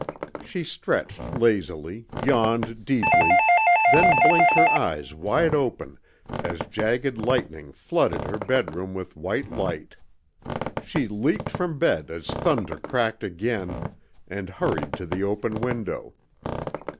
She stretched lazily, yawned deeply, then blinked her eyes wide open as jagged lightning flooded her bedroom with white light. She leaped from bed as thunder cracked again, and hurried to the open window.